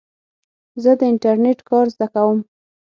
زه د انټرنېټ کار زده کوم.